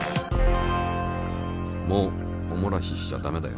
もうおもらししちゃだめだよ。